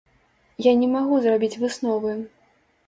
Я не магу зрабіць высновы.